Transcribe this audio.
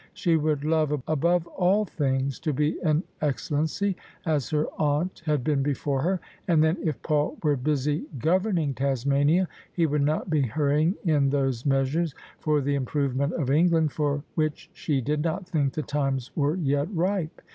She would love above all things to be an Excellency, as her aunt had been before her: and then — if Paul were busy governing Tasmania, — ^he would not be hurrying in those measures for the improvement of England, for which she did not think the times were yet ripe.